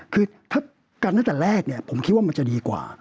คือถ้ากันตั้งแต่แรกเนี่ยผมคิดว่ามันจะดีกว่า